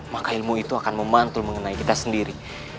maka ilmu itu akan memantul mengenai kita sendiri